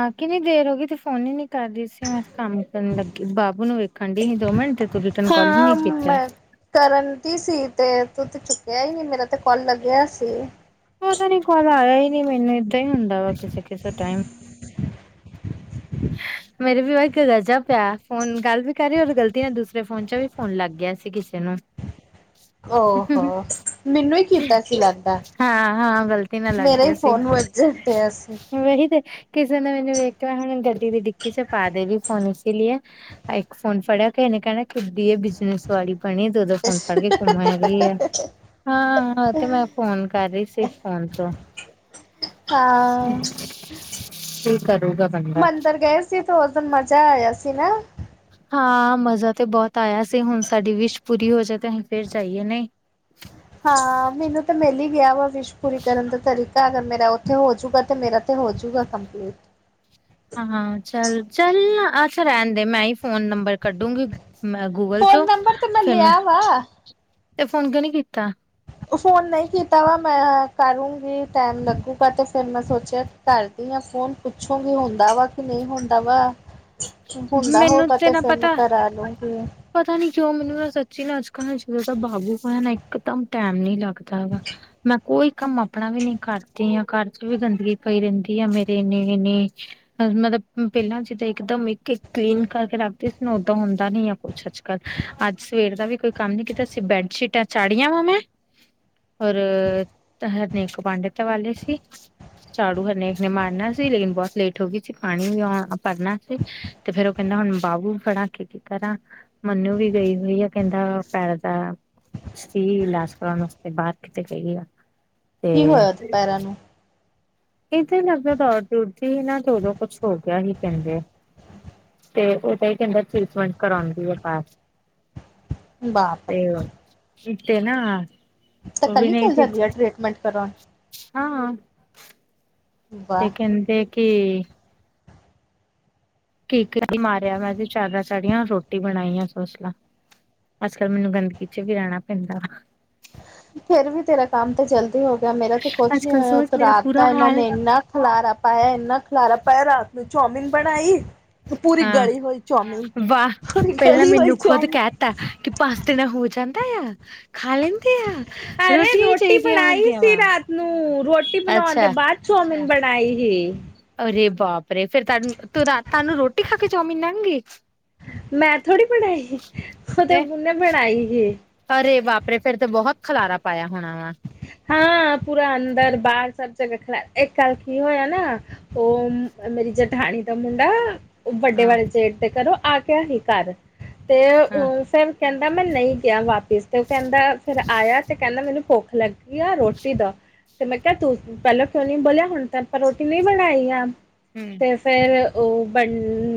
ਹਾਂ ਕਿੰਨੀ ਦੇਰ ਹੋ ਗਈ ਤੇ ਫੋਨ ਹੀ ਨੀ ਕਰਦੀ ਸੀ ਮੈਂ ਕੰਮ ਕਰਨ ਲੱਗੀ ਬਾਬੂ ਨੂੰ ਵੇਖਣ ਡਈ ਸੀ ਦੋ ਮਿੰਟ ਤੂੰ ਰਿਟਰਨ ਕਾਲ ਈ ਹਾਂ ਨੀ ਕਿਤੇ ਮੈਂ ਕਰਨ ਦੀ ਸੀ ਤੇ ਤੂੰ ਤੇ ਚੁੱਕਿਆ ਹੀ ਨਹੀਂ ਮੇਰਾ ਤੇ ਕਾਲ ਲੱਗਿਆ ਸੀ। ਪਤਾ ਨੀ ਕਾਲ ਆਇਆ ਹੀ ਨਹੀਂ ਮੈਨੂੰ ਏਦਾਂ ਹੀ ਹੁੰਦਾ ਵਾ ਕਿਸੇ ਕਿਸੇ ਟਾਈਮ [inaudible] ਮੇਰੇ ਵੀਵਾ ਇੱਕ ਗਜ਼ ਪਿਆ ਫੋਨ ਗੱਲ ਵੀ ਕਰੀ ਰ ਗਲਤੀ ਨਾਲ ਦੂਸਰੇ ਫੋਨ ਚ ਵੀ ਹੁਣ ਲੱਗਿਆ ਸੀ ਕਿਸੇ ਨੂੰ ਓ ਹੋੋ ਮੈਨੂੰ ਹੀ ਕੀਤਾ ਸੀ ਲੱਗਦਾ। ਹਾਂ- ਹਾਂ, ਗ਼ਲਤੀ ਨਾਲ ਲੱਗ ਮੇਰਾ ਹੀ ਗਿਆ ਸੀ ਫੋਨ ਵੱਜਣ ਡਿਆ ਸੀ। ਵਹੀ ਤੇ ਕਿਸੇ ਨੇ ਮੈਨੂੰ ਵੇਖਿਆ ਹੁਣ ਗੱਡੀ ਦੀ ਡਿੱਕੀ ਚ ਪਾ ਦੇਵ ਫੋਨ ਇਸ ਲਈਏ ਇੱਕ ਫੋਨ ਫੜਿਆ ਕਿ ਇਹਨੇ ਕਹਿਣਾ ਕਿੱਡੀ ਇਹ ਬਿਜਨਸ ਵਾਲੀ ਬਣੀ ਤੇ ਦੋਂ-ਦੋਂ ਫੋਨ ਫੜ ਕੇ ਘੁੰਮਣ ਡਈ ਏ ਹਾਂ ਤੇ ਮੈਂ ਫੋਨ ਕਰ ਰਹੀ ਸੀ ਫੋਨ ਤੋਂ [unintelligible] ਹਾਂ ਕੀ ਕਰੂਗਾ ਬੰਦਾ। ਮੰਦਿਰ ਗਏ ਸੀ ਤੇ ਉਸ ਦਿਨ ਮਜ਼ਾ ਆਇਆ ਸੀ ਨਾ। ਹਾਂ ਮਜ਼ਾ ਤੇ ਬਹੁਤ ਆਇਆ ਸੀ ਹੁਣ ਸਾਡੀ ਵਿਸ਼ ਪੂਰੀ ਹੋ ਜੇ ਤੇ ਅਸੀਂ ਫੇਰ ਜਾਈਏ ਨਹੀਂ। ਹਾਂ ਮੈਨੂੰ ਤਾਂ ਮਿਲ ਹੀ ਗਿਆ ਵਾ ਵਿਸ਼ ਪੂਰੀ ਕਰਨ ਦਾ ਤਰੀਕਾ ਅਗਰ ਮੇਰਾ ਉੱਥੇ ਹੋਜੂਗਾ ਤੇ ਮੇਰਾ ਤੇ ਹੋ ਜੂਗਾ ਕੰਪਲੀਟ। ਹਾਂ ਚੱਲ -ਚੱਲ ਅੱਛਾ ਰਹਿਣ ਦੇ ਮੈਂ ਹੀ ਫੋਨ ਨੰਬਰ ਕੱਢੂੰਗੀ। ਗੂਗਲ ਫੋਨ ਚੋਂ ਨੰਬਰ ਤੇ ਫਿਰ ਮੈਂ ਲਿਆ ਵਾ [unintelligible] ਫੋਨ ਕਿਓ ਨੀ ਕੀਤਾ। ਫੋਨ ਨਹੀਂ ਕੀਤਾ ਵਾ ਮੈਂ ਕਰੂੰਗੀ ਟੈਮ ਲੱਗੇੂਗਾ ਤੇ ਫੇਰ ਮੈਂ ਸੋਚਿਆ ਕਰ ਦੀਆਂ ਫੋਨ ਪੁੱਛੋਂਗੀ ਹੁੰਦਾ ਵਾ ਕਿ ਨਹੀਂ ਹੁੰਦਾ ਵਾ। ਜੇ ਹੁੰਦਾ ਮੈਨੂੰ ਹੋਗਾ ਤੇ ਨਾ ਫੇਰ ਮੈਂ ਪਤਾ ਕਰਾ ਲੂੰਗੀ। ਪਤਾ ਨੀ ਕਿਉਂ ਮੈਨੂੰ ਸੱਚੀ ਨਾ ਅੱਜ ਕੱਲ ਜਦੋਂ ਦਾ ਬਾਬੂ ਹੋਇਆ ਨਾ ਇੱਕਦਮ ਟਾਈਮ ਨੀ ਲੱਗਦਾ। ਲੱਗਦਾ ਵਾ ਮੈਂ ਕੋਈ ਕੰਮ ਆਪਣਾ ਵੀ ਨਹੀਂ ਕਰਦੀ ਆ ਘਰ ਚ ਵੀ ਗੰਦਗੀ ਪਈ ਰਹਿੰਦੀ ਆ ਮੇਰੇ ਇੰਨੇ ਇਨੇ ਮਤਲਬ ਪਹਿਲਾਂ ਜਿੱਦਾਂ ਇੱਕਦਮ ਇੱਕ ਕਲੀਨ ਕਰਕੇ ਰੱਖਦੀ ਸੀ ਨਾ ਉਦਾਂ ਹੁੰਦਾ ਨੀ ਕੁੱਛ ਅੱਜਕੱਲ ਅੱਜ ਸਵੇਰ ਦਾ ਵੀ ਕੋਈ ਕੰਮ ਨੀ ਕੀਤਾ ਅਸੀਂ ਬੈੱਡਸ਼ੀਟਾਂ ਚਾੜੀਆਂ ਵਾ ਮੈਂ ਔਰ ਹਰਨੇਕ ਪੰਡਿਤ ਵਾਲੇ ਸੀ। ਝਾੜੂ ਹਰਨੇਕ ਨੇ ਮਾਰਨਾ ਸੀ ਲੇਕਿਨ ਬਹੁਤ ਲੇਟ ਹੋ ਗਈ ਸੀ ਪਾਣੀ ਵੀ ਆ ਪਰਨਾ ਸੀ। ਤੇ ਫੇਰ ਉਹ ਕਹਿੰਦਾ ਹੁਣ ਬਾਬੂ ਫੜਾ ਕੇ ਕੀ ਕਰਾ। ਮਨੂੰ ਵੀ ਗਈ ਹੋਈ ਆ ਕਹਿੰਦਾ ਪੈਰ ਦਾ ਸੀ ਲਾਸਪੁਰਾ ਵਾਸਤੇ ਬਾਹਰ ਕਿਤੇ ਗਈ ਆ ਤੇ ਕੀ ਹੋਇਆ ਦੁ ਪੈਰਾਂ ਨੂੰ ਇਹ ਤਾਂ ਲੱਗਦਾ ਦੌੜ ਦੜਦੀ ਹੀ ਨਾ ਤੇ ਉਦੋਂ ਕੁਛ ਹੋ ਗਿਆ ਹੀ ਕਹਿੰਦੇ ਆ। ਤੇ ਉਹ ਤਾਂ ਹੀ ਕਹਿੰਦਾ ਟ੍ਰਰੀਟਮੈਂਟ ਕਰਾਉਂਦੀ ਹੈ ਪੈਰ [inaudible] ਬਾਪ ਤੇ ਰੇ [inaudible] ਇਥੇ ਨਾ ਤਾਂ ਕੱਲੀ ਅਭਨ ਚੱਲ ਸੀ ਜਾਂਦੀ ਆ ਟ੍ਰੀਟਮੈਂਟ ਕਰਵਾਉਣ ਹਾਂ-ਹਾਂ ਤੇ ਵਾਹ ਕਹਿੰਦੇ ਕਿ ਕੇਕਾ ਵੀ ਮਾਰਿਆ ਵਾਰ ਜ਼ਿਆਦਾ ਸਾਰੀਆ ਰੋਟੀ ਬਣਾਈ ਆ ਸੋਸਲਾ ਅੱਜ- ਕੱਲ੍ਹ ਮੈਨੂੰ ਗੰਦਗੀ ਚ ਵੀ ਰਹਿਣਾ ਪੈਂਦਾ ਵਾ ਫਿਰ ਵੀ ਤੇਰਾ ਕੰਮ ਤੇ ਜਲਦੀ ਹੋ ਗਿਆ ਮੇਰਾ ਤੇ ਕੁਛ ਅੱਜ ਨੀ ਕੱਲ ਹੋਇਆ ਸੋਚ ਉਤੋ ਮੇਰਾ ਰਾਤ ਬੁਰਾ ਤਾ ਇਹਨਾਂ ਹਾਲ ਨੇ ਇੰਨਾ ਖਲਾਰਾ ਪਾਇਆ ਇੰਨਾ ਖਲਾਰਾ ਪਾਇਆ ਰਾਤ ਨੂੰ ਚੌਮਿਨ ਬਣਾਈ। ਪੂਰੀ ਹਾਂ। ਗਲੀ ਹੋਈ ਚੌਮਨ ਵਾਹ ਪੂਰੀ ਪਹਿਲਾਂ ਗਲੀ ਹੋਈ ਮੈਨੂੰ ਖੁਦ ਚੌਮਨ ਕਹਿ ਤਾ ਪਾਸ ਦਿਨ ਹੋ ਜਾਂਦਾ ਆ ਖਾ ਲੈਂਦਾ। ਅਰੇ ਰੋਟੀ ਬਣਾਈ ਹੁੰਦੀਆਂ ਸੀ ਵਾ ਰਾਤ ਨੂੰ ਰੋਟੀ ਬਣਾਉਣ ਦੇ ਅੱਛਾ। ਬਾਅਦ ਚੋਮਨ ਬਣਾਈ ਸੀ। ਅਰੇ ਬਾਪਰੇ ਫਿਰ ਤਹਾਨੂੰ ਰਾਤਾਂ ਨੂੰ ਰੋਟੀ ਖਾ ਕੇ ਚੌਮਨ ਲੱਗ ਗਈ। ਮੈਂ ਥੋੜ੍ਹੀ ਬਣਾਈ ਉਹ ਤੇ ਹੈਂ, [unintelligible] ਨੇ ਬਣਾਈ ਸੀ। ਅਰੇ ਵਾਪਰੇ ਫਿਰ ਤੋਂ ਬਹੁਤ ਖਲਾਰਾ ਪਾਇਆ ਹੋਣਾ ਵਾ। ਹਾਂ ਪੂਰਾ ਅੰਦਰ ਬਾਹਰ ਸਭ ਜਗ੍ਹਾ ਖੜ ਇੱਕ ਵਾਰ ਕੀ ਹੋਇਆ ਨਾ ਉਹ ਮੇਰੀ ਜਠਾਣੀ ਦਾ ਮੁੰਡਾ ਵੱਡੇ ਹਾਂ ਵਾਲੇ ਜੇਠ ਦੇ ਘਰੋ ਆ ਗਿਆ ਸੀ ਘਰ ਤੇ ਹਾਂ ਉਸ ਟਾਇਮ ਕਹਿੰਦਾ ਮੈਂ ਨਹੀਂ ਗਿਆ ਵਾਪਿਸ ਫਿਰ ਆਇਆ ਤੇ ਕਹਿੰਦਾ ਮੈਨੂੰ ਭੁੱਖ ਲੱਗ ਕੀ ਆ ਰੋਟੀ ਦਾ ਤੇ ਮੈਂ ਕਿਹਾ ਤੂੰ ਪਹਿਲਾਂ ਕਿਉਂ ਨੀ ਬੋਲਿਆ ਹੁਣ ਤੱਕ ਤਾਂ ਰੋਟੀ ਨਹੀਂ ਬਣਾਈ ਆ ਹੁ ਤੇ ਫਿਰ ਉਹ ਬਨ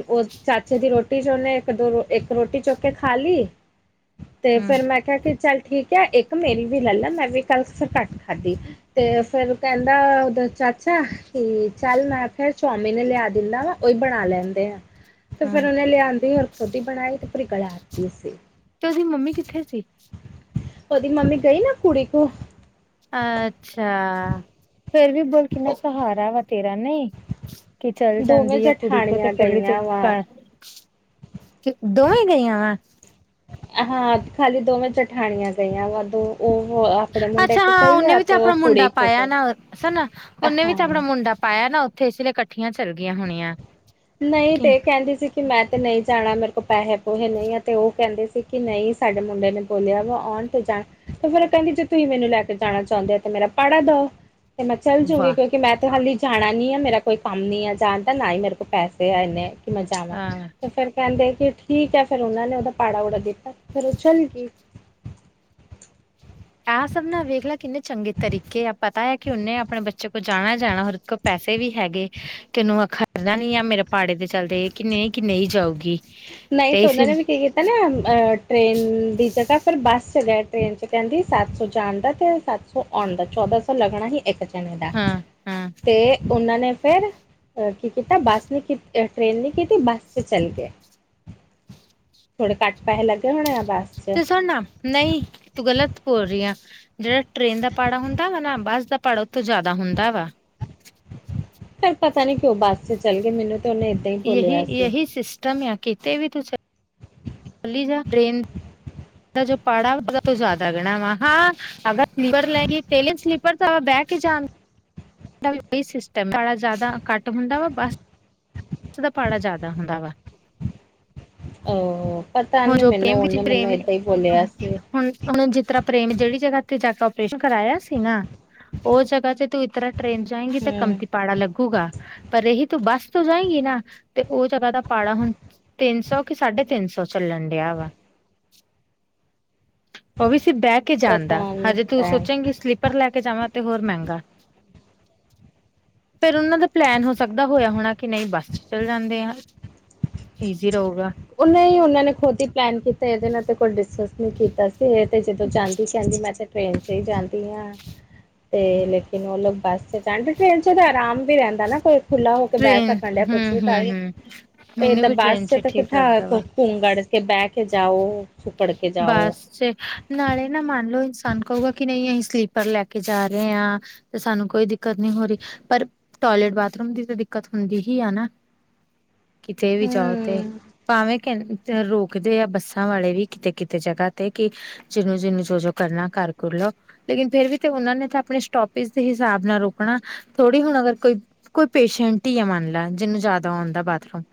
ਉਹ ਚਾਚੇ ਦੀ ਰੋਟੀ 'ਚ' ਉਹਨੇ ਇੱਕ, ਦੋ ਇੱਕ ਰੋਟੀ ਚੁੱਕੇ ਖਾ ਲਈ [inaudible] ਤੇ ਹੂੰ ਫਿਰ ਮੈਂ ਕਿਹਾ ਕਿ ਚੱਲ ਠੀਕ ਏ ਇੱਕ ਮੇਰੀ ਵੀ ਲੈਲਾ ਆ ਮੈਂ ਵੀ ਕੱਲ ਫਿਰ ਘੱਟ ਖਾਧੀ ਤੇ ਫੇਰ ਕਹਿੰਦਾ ਦਾ ਉਹਦਾ ਚਾਚਾ ਕੀ ਚੱਲ ਮੈਂ ਫਿਰ ਚੋਮੀਨ ਲਿਆ ਦਿੰਦਾ ਵਾ ਉਹੀ ਬਣਾ ਲੈਂਦੇ ਆ ਤੇ ਫਿਰ ਉਹਨੇ ਲਿਆਂਦੀ ਹੋਰ ਖੁਦ ਹੀ ਬਣਾਈ ਤੇ ਪੂਰੀ ਗਲਾਤੀ ਸੀ। ਤੇ ਉਹਦੀ ਮੰਮੀ ਕਿੱਥੇ ਸੀ? ਉਹਦੀ ਮੰਮੀ ਗਈ ਨਾ ਕੁੜੀ ਕੋਲ ਅੱਛਾ ਫਿਰ ਵੀ ਬੋਲ ਕਿੰਨਾ ਸਹਾਰਾ ਵਾ ਤੇਰਾ ਨਹੀਂ ਕੀ ਚੱਲ ਦੋਵੇਂ ਜਾਂਦੀ ਆ ਕੁੜੀ ਕੋ ਤੇ ਜਠਾਣੀਆਂ ਫਿਰ ਵੀ ਤੂ ਗਈਆਂ ਵਾ ਘਰ ਕਿ ਦੋਵੇਂ ਗਈਆਂ ਵਾ ਹਾਂ ਖਾਲੀ ਦੋਵੇਂ ਜਠਾਣੀਆਂ ਗਈਆਂ ਵਾ ਦੋ ਉਹ ਆਪਣੇ ਮੁੰਡੇ ਅੱਛਾ ਕੋ ਹਾਂ ਗਈ ਉਹਨੇ ਆ ਵੀ ਤਾਂ ਤੇ ਉਹ ਆਪਣਾ ਮੁੰਡਾ ਕੁੜੀ ਕੋ ਪਾਇਆ ਗਈ ਨਾ ਹਨਾ ਉਹਨੇ ਵੀ ਹਾਂ ਤਾਂ ਆਪਣਾ ਮੁੰਡਾ ਪਾਇਆ ਨਾ ਉੱਥੇ ਇਸ ਲਈ ਇਕੱਠੀਆਂ ਚੱਲ ਗਈਆਂ ਹੋਣੀਆਂ। ਨਹੀਂ ਕਿ ਤੇ ਕਹਿੰਦੀ ਸੀ। ਕਿ ਮੈਂ ਤਾਂ ਨਹੀਂ ਜਾਣਾ ਮੇਰੇ ਕੋਲ ਪੈਸੇ- ਪੂਸੇ ਨਹੀਂ ਆ ਅਤੇ ਉਹ ਕਹਿੰਦੇ ਸੀ ਕਿ ਨਹੀਂ ਸਾਡੇ ਮੁੰਡੇ ਨੇ ਬੋਲਿਆ ਵਾ ਆਉਣ ਤੇ ਜਾਣ ਤੇ ਫਿਰ ਕਹਿੰਦੀ ਜੇ ਤੁਸੀਂ ਮੈਨੂੰ ਲੈ ਕੇ ਜਾਣਾ ਚਾਹੁੰਦੇ ਆ ਤੇ ਮੇਰਾ ਪਾੜਾ ਦਓ। ਤੇ ਮੈਂ ਚੱਲ ਜੂਗੀ ਵਾਹ ਕਿਉਂਕਿ ਮੈਂ ਤੇ ਹਾਲੀ ਜਾਣਾ ਨੀ ਆ ਮੇਰਾ ਕੋਈ ਕੰਮ ਨੀ ਆ ਜਾਣ ਦਾ ਨਾ ਹੀ ਮੇਰੇ ਕੋਲ ਪੈਸੇ ਆ ਏਨੇ ਕਿ ਮੈਂ ਜਾਵਾਂ ਹਾਂ ਤੇ ਫਿਰ ਕਿ ਠੀਕ ਆ ਫਿਰ ਉਹਨਾਂ ਨੇ ਉਹਦਾ ਪਾੜਾ- ਵੜਾ ਦਿੱਤਾ ਫਿਰ ਉਹ ਚਲ ਗੀ। ਆ ਸਭ ਨਾ ਵੇਖ ਲੈ ਕਿੰਨੇ ਚੰਗੇ ਤਰੀਕੇ ਆ ਪਤਾ ਆ ਕਿ ਉਹਨੇ ਆਪਣੇ ਬੱਚੇ ਕੋਲ ਜਾਣਾ- ਜਾਣਾ ਵਾ ਪੈਸੇ ਵੀ ਹੈਗੇ ਕੀਨੂੰ ਆਖਨਾ ਆ ਮੇਰੇ ਪਾੜੇ ਦੇ ਚਲਦੇ ਕਿ ਨਹੀਂ ਕਿ ਨਹੀਂ ਜਾਊਗੀ। ਨਹੀਂ ਤੇ ਤਾਂ ਇਸ ਉਹਨਾਂ ਨੇ ਵੀ ਕਈ ਵਾਰੀ ਹਨਾ ਟ੍ਰੇਨ ਦੀ ਜਗ੍ਹਾ ਫਿਰ ਬੱਸ ਚਗਾ ਟ੍ਰੇਨ 'ਚ' ਕਹਿੰਦੀ ਸੱਤ ਸੌ ਜਾਣ ਦਾ ਤੇ ਸੱਤ ਸੱਤ ਸੋ ਆਉਣ ਦਾ ਚੌਦਾਂ ਸੌ ਲੱਗਣਾ ਹੀ ਇੱਕ ਜਣੇ ਦਾ ਹਾਂ ਹਾਂ ਤੇ ਉਹਨਾਂ ਨੇ ਫਿਰ ਕੀ ਕੀਤਾ ਬੱਸ ਨਹੀਂ ਟ੍ਰੇਨ ਨਹੀਂ ਕੀਤੀ ਬੱਸ 'ਚ' ਚੱਲ ਗਏ। ਥੋੜੇ ਘੱਟ ਪੈਸੇ ਲੱਗੇ ਹੋਣੇ ਆ। ਬੱਸ 'ਚ ਤੇ ਸੁਣਨਾ, ਨਹੀਂ ਤੂੰ ਗਲਤ ਬੋਲ ਰਹੀ ਆ। ਜਿਹੜਾ ਟ੍ਰੇਨ ਦਾ ਪਾੜਾ ਹੁੰਦਾ ਵਾ ਨਾ, ਬੱਸ ਦਾ ਪਾੜਾ ਉੱਥੋਂ ਜ਼ਿਆਦਾ ਹੁੰਦਾ ਵਾ। ਫੇਰ ਪਤਾ ਨੀ, ਕਿਉਂ ਬੱਸ ਚ ਚੱਲ ਗਏ, ਮੈਨੂੰ ਤੇ ਉਹਨੇ ਹੀ ਜਹੀ, ਬੋਲਿਆ ਸੀ ਜਹੀ ਸਿਸਟਮ ਆ, ਕਿਤੇ ਵੀ ਤੂੰ, ਚਲੀ ਜਾ, ਟੇਨ ਤੇ ਜੋ ਪਾੜਾ ਬਹੁਤ ਜ਼ਿਆਦਾ ਗਣਾ ਵਾ ਹਾ। ਅਗਰ ਸਲੀਪਰ [unintelligible] ਤਾਂ ਬਹਿ ਕੇ ਜਾ ਇਹਦਾ ਵੀ ਉਹੀ ਸਿਸਟਮ, ਭਾੜਾ ਜ਼ਿਆਦਾ, ਘੱਟ ਹੁੰਦਾ ਵਾ ਬਸ ਇਥੋਂ ਦਾ ਭਾੜਾ ਜ਼ਿਆਦਾ ਹੁੰਦਾ ਵਾ। ਓ, ਪਤਾ ਹੁਣ ਨਹੀਂ, ਜੋ ਮੈਨੂੰ ਪ੍ਰੇਮ ਵਿੱਚ ਉਹਨੇ ਮੈਨੂੰ ਪ੍ਰੇਮ ਨੇ ਏਦਾਂ ਹੀ ਬੋਲਿਆ ਸੀਗਾ। ਹੁਣ ਉਹਨੇ [unintelligible] ਜਿਹੜੀ ਜਗ੍ਹਾ ਤੇ ਜਾ ਕੇ ਅਪਰੇਸ਼ਨ ਕਰਵਾਾਇਆ ਸੀ ਨਾ ਉਹ ਜਗ੍ਹਾ ਤੇ ਤੂੰ ਇਤ ਤਰ੍ਹਾਂ ਟ੍ਰੇਨ ਜਾਏਂਗੀ, ਤਾਂ ਕੰਮ ਹਮ ਤੀ ਪਾੜਾ ਲੱਗੂਗਾ, ਪਰ ਇਹੀ ਤੂੰ ਬੱਸ ਤੋਂ ਜਾਏਗੀ ਹਨਾ, ਤੇ ਉਹ ਜਗਾ ਦਾ ਭਾੜਾ ਹੁਣ, ਤਿੰਨ ਸੌ ਕਿ ਸਾਢੇ ਤਿੰਨ ਸੌ ਚੱਲਣ ਡਿਆ ਵਾ। ਉਹ ਵੀ ਸੀ ਬਹਿ ਕੇ ਜਾਂਣਦਾ, ਪਤਾ ਨੀ ਹਜੇ ਤੂੰ ਭੈਣ ਸੋਚੇਗੀ ਸਲੀਪ ਉਪਰ ਲੈ ਕੇ ਜਾਵਾਂ, ਤੇ ਹੋਰ ਮਹਿੰਗਾ। ਫਿਰ ਉਹਨਾਂ ਦਾ ਪਲੈਨ ਹੋ ਸਕਦਾ ਹੋਇਆ ਹੋਣਾ, ਕਿ ਨਹੀਂ ਬੱਸ ਚ ਚੱਲ ਜਾਂਦੇ ਆ। ਈਜੀ ਰਹੂਗਾ। ਨਹੀ ਉਹਨੇ ਹੀ ਉਹਨਾਂ ਨੇ ਖੁਦ ਹੀ ਪਲੈਨ ਕੀਤਾ, ਇਹਦੇ ਨਾਲ ਤੇ ਕੋਈ ਡਿਸਕਸ ਨਹੀਂ ਕੀਤਾ ਸੀ, ਇਹ ਤੇ ਜਦੋਂ ਜਾਂਦੀ ਕਹਿੰਦੀ ਮੈਂ ਤੇ ਟ੍ਰੇਨ 'ਚ ਹੀ ਜਾਂਦੀ ਹਾਂ। ਤੇ ਲੇਕਿਨ, ਉਹ ਲੋਕ ਬੱਸ ਚ ਚੜਨ ਟ੍ਰੇਨ ਚ ਤਾਂ ਆਰਾਮ ਵੀ ਰਹਿੰਦਾ ਨਾ, ਫਿਰ ਖੁੱਲ੍ਹਾ ਹੇ ਕੇ ਬਹਿ ਟ੍ਰੇਨ ਸਕਣ, ਡਿਆ ਹੂੰ ਕੁਛ ਵੀ [inaudible] ਤੇ ਇੱਧਰ ਵੀ ਟ੍ਰੇਨ ਬੱਸ ਚ ਠੀਕ ਲੱਗਦਾ ਵਾ। [unintelligible] ਕੇ ਬਹਿ ਕੇ ਜਾਓ। ਸੁਕੜ ਕੇ ਜਾਓ ਬੱਸ 'ਚ। ਨਾਲੇ ਨਾ ਮੰਨ ਲੋ ਇਨਸਾਨ ਕਹੂਗਾ, ਕਿ ਨਹੀਂ ਅਸੀ ਸਲੀਪਰ ਲੈ ਕੇ ਜਾ ਰਹੇ ਹਾਂ। ਤੇ ਸਾਨੂੰ ਕੋਈ ਦਿੱਕਤ ਨਹੀਂ ਹੋ ਰਹੀ, ਪਰ ਟੋਇਲੇਟ, ਬਾਥਰੂਮ ਦੀ, ਤਾਂ ਦਿੱਕਤ ਹੁੰਦੀ ਹੀ ਆ ਨਾ। ਕਿਤੇ ਵੀ ਜਾਓ ਤੇ, ਹਮ ਭਾਵੇਂ ਕਹਿ ਰੋਕਦੇ ਆ ਬੱਸਾਂ ਵਾਲੇ ਵੀ। ਕਿਤੇ -ਕਿਤੇ ਜਗ੍ਹਾ ਤੇ, ਕਿ ਜਿਹਨੂੰ -ਜਿਹਨੂੰ, ਜੋ- ਜੋ ਕਰਨਾ ਕਰ- ਕੂਰ ਲੋ। ਲੇਕਿਨ ਫਿਰ ਵੀ ਤੇ ਉਹਨਾਂ ਨੇ ਤਾਂ ਆਪਣੇ ਸਟੋਪੇਜ ਦੇ ਹਿਸਾਬ ਨਾਲ ਰੋਕਣਾ, ਥੋੜੀ ਹੁਣ ਅਗਰ ਕੋਈ ਕੋਈ ਪੇਸ਼ੈਂਟ ਹੀ ਹੈ ਮੰਨ ਲੈ, ਜਿਹਨੂੰ ਜਿਆਦਾ ਆਉਂਦਾ ਬਾਥਰੂਮ।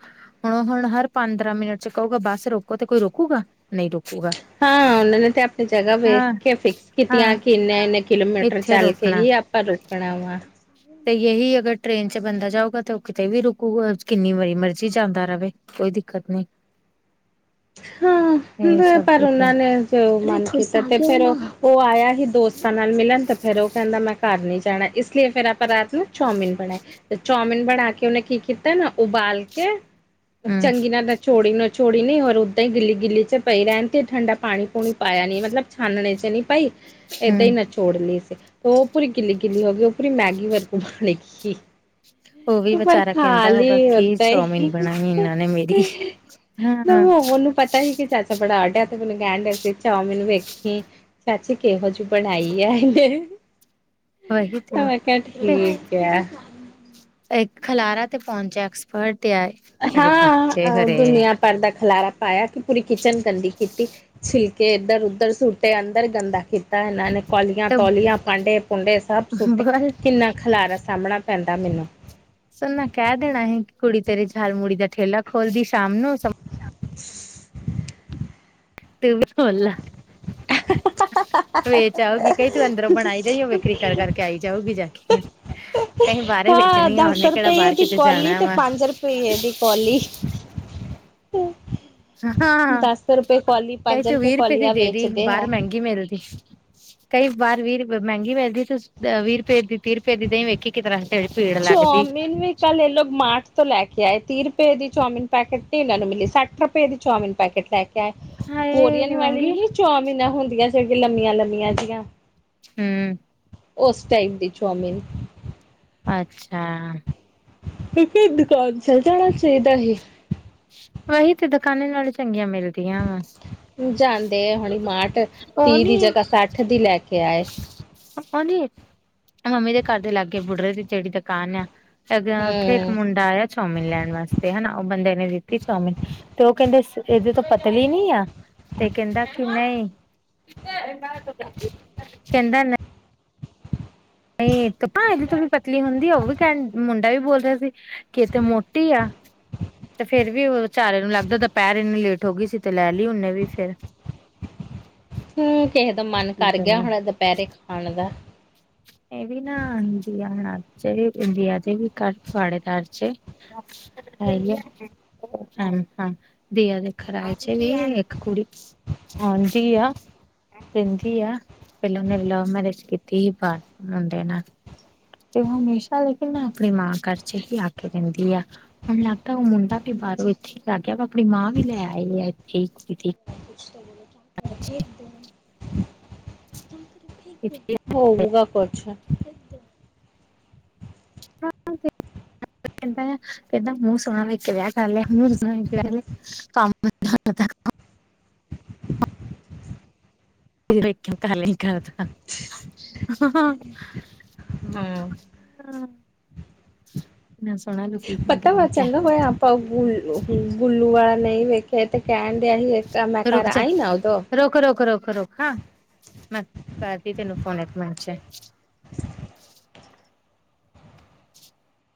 ਹੁਣੋ, ਹੁਣ ਹਰ ਪੰਦਰਾਂ ਮਿੰਟ ਚ ਕਹੂਗਾ ਬਸ ਰੋਕੋ, ਤੇ ਕੋਈ ਰੋਕੂਗਾ। ਨਹੀਂ ਰੋਕੂਗਾ ਹਾਂ ਉਹਨਾਂ ਨੇ ਤੇ ਆਪਣੀ ਜਗ੍ਹਾ ਵੇਖ ਹਾਂ ਕੇ ਫਿਕਸ ਕੀਤੀਆਂ, ਹਾਂ ਕਿ ਇੰਨੇ -ਇੰਨੇ ਕਿਲੋਮੀਟਰ ਇੱਥੇ ਚੱਲ ਕੇ ਤੇ ਰੋਕਣਾ ਈ ਆਪਾਂ ਰੋਕਣਾ ਵਾ। ਤੇ ਯਹੀ ਅਗਰ ਟ੍ਰੇਨ ਚ ਬੰਦਾ ਜਾਊਗਾ, ਤਾਂ ਉਹ ਕਿਤੇ ਵੀ ਰਕੂਗਾ, ਕਿੰਨੀ ਵਾਰੀ ਮਰਜ਼ੀ ਜਾਂਦਾ ਰਹੇ। ਕੋਈ ਦਿੱਕਤ ਨਹੀ। ਹਾਂ, [unintelligible] ਪਰ ਉਹਨਾਂ ਨੇ ਉਹ ਮਨ ਕੀਤਾ [unintelligible] ਤੇ ਫੇਰ ਉਹ, ਉਹ ਆਇਆ ਸੀ ਦੋਸਤਾਂ ਨਾਲ ਮਿਲਣ ਤੇ ਫੇਰ ਉਹ ਕਹਿੰਦਾ ਮੈਂ ਘਰ ਨਹੀਂ ਜਾਣਾ, ਇਸ ਲਈਏ ਫਿਰ ਆਪਾਂ ਰਾਤ ਨੂੰ ਚਾਊਮਨ ਬਣਾਏ। ਤੇ ਚੌਮਿਨ ਬਣਾ ਕੇ ਉਹਨੇ ਕੀ ਕੀਤਾ ਨਾ, ਉਬਾਲ ਕੇ ਹਮ ਚੰਗੀ ਨਾ ਨਚੋੜੀ, ਨਚੋੋੜੀ ਨੀ ਹੋਰ ਉੱਦਾਂ ਹੀ ਗਿੱਲੀ -ਗਿੱਲੀ 'ਚ ਪਈ ਰਹਿਣ, ਤੇ ਠੰਡਾ ਪਾਣੀ -ਪੂਣੀ ਪਾਇਆ ਨਹੀਂ, ਮਤਲਬ ਛਾਨਣੇ 'ਚ ਨਹੀਂ ਪਾਈ। ਏਦਾਂ ਹੀ ਹਮ ਨਿਚੋੜ ਲਈ ਸੀ, ਉਹ ਪੂਰੀ ਗਿੱਲੀ- ਗਿੱਲੀ ਹੋ ਗਈ, ਉਹ ਪੂਰੀ ਮੈਗੀ ਵਰਗੀ ਬਣੀ ਸੀ। ਉਹ ਵੀ ਵਿਚਾਰਾ ਕਹਿੰਦਾ ਹੋਊਗਾ, ਕੀ ਓਦਾਂ ਹੀ ਚੋੱਮੀਨ ਬਣਾਈ ਹੈ ਇਹਨਾਂ ਨੇ ਮੇਰੀ। ਹਮ-ਹਮ। ਉਹਨੂੰ ਪਤਾ ਹੀ, ਕਿ ਚਾਚਾ ਬੜਾ ਆਡਾ ਤੇ ਮੈਨੂੰ ਕਹਿਣ ਡਿਹਾ ਸੀ ਚੋਂਮਿਨ ਵੇਖੀ, ਚਾਚੀ ਕਿਹੋ ਜੇਹੀ। ਬਣਾਈ ਆ [inaudible] ਤੇ ਮੈਂ ਕਿਹਾ ਠੀਕ ਐ ਤੇ ਖਿਲਾਰਾ 'ਤੇ ਪੋਨ ਚ ਐਕਸਪਰਟ ਐ ਹਾਂ ਅ ਦੁਨੀਆਂ ਭਰ ਦਾ ਖਿਲਾਰਾ ਪਾਇਆ ਕਿ ਪੂਰੀ ਕਿਚਨ ਗੰਦੀ ਕੀਤੀ ਛਿਲਕੇ ਇੱਧਰ -ਉਧਰ ਸੂੱਟੇ ਆ ਅੰਦਰ ਗੰਦਾ ਕੀਤਾ ਕੀਤਾ ਇਹਨਾਂ ਨੇ ਕੌਲੀਆਂ, ਤੇ ਕੁਲੀਆਂ, ਭਾਂਡੇ -ਭੂੰਡੇ ਸਭ ਸੁੱਟੇ ਬਸ ਕਿੰਨਾ ਖਿਲਾਰਾ ਸਾਹਮਣਾ ਪੈਂਦਾ ਮੈਨੂੰ ਸਨਾ ਕਹਿ ਦੇਣਾ ਸੀ ਕੁੜੀ ਤੇਰੇ ਜਾਲ ਮੁੜੀ ਦਾ ਠੇਲਾ ਖੋਲਦੀ ਸ਼ਾਮ ਨੂੰ [unintelligible] ਤੇ ਓ ਵੀ ਫੁੱਲ ਆ ਵੇਚ ਆਓ ਗੀ ਤੂੰ ਅੰਦਰੋਂ ਬਣਾਈ ਜਾਈ ਓ ਬੇਕਰੀ ਕਰ ਕਰਕੇ ਆਈ ਜਾਊਗੀ ਜਾ ਕੇ ਕਈ ਬਾਹਰ ਹਾਂ ਵੇਚਣੀ ਆ ਦਸ ਉਹਨੇ ਕਿਹੜਾ ਰੁਪਈਏ ਬਾਹਰ ਦੀ ਕਿਤੇ ਕੋਲੀ ਜਾਣਾ ਤੇ ਵਾ ਪੰਜ ਰੁਪਈਏ ਦੀ ਕੋਲੀ। ਹਮ [unintelligible] ਹਾਂ ਆ ਕਹਿ ਤੂੰ ਵੀਹ ਰੁਪਏ ਦੀ ਕੌਲੀਆਂ ਦੇ ਦੀ ਵੇਚਦੇ ਬਾਰ ਹੈ। ਮਹਿੰਗੀ ਮਿਲਦੀ। ਕਈ ਵਾਰ ਵੀਹ ਰੁਪਏ ਮਹਿੰਗੀ ਪੈਦੀ ਤੁ ਵੀਹ ਰੁਪਏ ਦੀ ਤੀਹ ਰੁਪਏ ਦੀ ਦੇਹੀਂ ਵੇਖੀ ਕਿਸ ਤਰ੍ਹਾਂ ਸਵੇਰੇ ਭੀੜ ਲੱਗਦੀ। ਚੌਮਿਨ ਵੀ ਕੱਲ ਇਹ ਲੋਕ ਮਾਰਟ ਤੋਂ ਲੈ ਕੇ ਆਏ ਤੀਹ ਰੁਪਏ ਦੀ ਚਾਮੀਨ ਪੈਕਟ ਇਹਨਾਂ ਨੂੰ ਮਿਲੀ ਸੱਠ ਰੁਪਏ ਦੀ ਚਊਮੀਨ ਪੈਕਟ ਲੈ ਕੇ ਹਾਏ ਇੰਨੀ ਕੋਰੀਅਨ ਵਾਲੀ ਮਹਿੰਗੀ ਨੀ ਚਊਮੀਨ ਹੁੰਦੀਆਂ ਸੀਗੀਆਂ ਲੰਮੀਆਂ ਲੰਮੀਆਂ ਜੀਆਂ। ਹਮ। ਉਸ ਟਾਈਪ ਦੀ ਚੋਮਿਨ ਅੱਛਾ। ਕਿਉਂਕਿ ਦੁਕਾਨ ਚਲ ਜਾਣਾ ਚਾਹੀਦਾ ਸੀ। ਵਹੀ ਤੇ ਦੁਕਾਨੇ ਨਾਲੋਂ ਚੰਗੀਆਂ ਮਿਲਦੀਆਂ ਵਾ ਜਾਂਦੇ ਆ ਹੁਣੀ ਮਾਰਟ ਉਹ ਤੀਹ ਨੀ ਦੀ ਜਗ੍ਹਾ ਸੱਠ ਦੀ ਲੈ ਕੇ ਆਏ। ਉਹਦੀ ਮੰਮੀ ਦੇ ਘਰ ਦੇ ਲਾਗੇ ਬੁਢਰੇ ਦੀ ਜਿਹੜੀ ਦੁਕਾਨ ਆ। ਅ ਉੱਥੇ ਇੱਕ ਹੂੰ ਮੁੰਡਾ ਆਇਆ ਚੌਮਿਨ ਲੈਣ ਵਾਸਤੇ ਹਨਾ ਉਹ ਬੰਦੇ ਨੇ ਚੋਮਨ ਤੇ ਉਹ ਇਹਦੇ ਤੋਂ ਪਤਲੀ ਨੀ ਤੇ ਕਹਿੰਦਾ ਕਿ ਨਹੀਂ ਕਹਿੰਦਾ ਨਹੀਂ। ਨਹੀਂ ਇੱਕ ਇਹਦੀ ਤੋਂ ਵੀ ਪਤਲੀ ਹੁੰਦੀ ਆ ਉਹ ਵੀ ਕਹਿਣ ਮੁੰਡਾ ਵੀ ਬੋਲ ਰਿਹਾ ਸੀ। ਕਿ ਇਹ ਤੇ ਮੋਟੀ ਆ। ਤੇ ਫਿਰ ਵੀ ਵਿਚਾਰੇ ਨੂੰ ਲੱਗਦਾ ਦੁਪਹਿਰ ਇੰਨੀ ਲੇਟ ਹੋ ਗਈ ਸੀ ਤੇ ਲੈ ਲਈ ਉਹਨੇ ਵੀ ਫਿਰ ਹਮ ਕਿਸੇ ਦਾ ਮਨ ਕੀ ਕਰ ਗਿਆ ਕਰਨਾ। ਹੁਣਾ ਦੁਪਹਿਰੇ ਖਾਣ ਦਾ। ਇਹ ਵੀ ਨਾ ਇੰਦੀਆ ਹੁਣ ਅਜ ਇੰਡੀਆ ਦੇ ਵੀ ਘਰ ਪੜੇਦਾਰ ਚ ਹੈ ਹੀ ਐ। ਹ -ਹਾਂ ਦੀਆ ਦੇਖ ਰਾਏ ਚ ਵੀ ਆ ਇੱਕ ਕੁੜੀ ਆਉਦੀ ਆ ਰਹਿੰਦੀ ਪਹਿਲਾਂ ਉਹਨੇ ਲਵ ਮੈਰਿਜ ਕੀਤੀ। ਕੀਤੀ ਸੀ ਪਰ ਮੁੰਡੇ ਨਾਲ ਤੇ ਉਹ ਹਮੇਸ਼ਾ ਲੇਕਿਨ ਮੈਂ ਆਪਣੀ ਮਾਂ ਘਰ ਚ ਹੀ ਆ ਕੇ ਰਹਿੰਦੀ ਆ। ਹੁਣ ਲੱਗਦਾ ਉਹ ਮੁੰਡਾ ਵੀ ਬਾਹਰੋਂ ਇੱਥੇ ਲੱਗ ਗਿਆ ਵਾ ਆਪਣੀ ਮਾਂ ਵੀ ਲੈ ਆਏ ਆ ਇਥੇ ਇੱਥੇ [unintelligible] ਹੋਊਗਾ ਕੁਛ [unintelligible] ਕਹਿੰਦਾ ਆ ਮੂੰਹ ਸੋਹਣਾ ਦੇਖ ਕੇ ਵਿਆਹ ਕਰਲਿਆ [unintelligible] ਪੰਪ [unintelligible] [unintelligible] ਹਮ। ਪਤਾ ਵਾ ਚੰਗਾ ਹੋਇਆ [unintelligible] ਆਪਾਂ ਗੁੱਲੂ ਵਾਲਾ ਨਹੀਂ ਵੇਖਿਆ ਤੇ ਕਹਿਣ ਡਿਆ ਸੀ ਮੈਂ ਘਰ ਰੁਕ ਜਾ ਆਈ ਨਾ ਉਦੋਂ ਰੁਕ -ਰੁਕ, ਰੁਕ -ਰੁਕ ਨਾ। ਮੈ ਕਰਦੀ ਤੈਨੂੰ ਫੋਨ ਇੱਕ ਮਿੰਟ ਚ [inaudible]